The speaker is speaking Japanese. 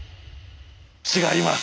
違います！